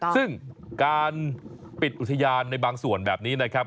ซึ่งการปิดอุทยานในบางส่วนแบบนี้นะครับ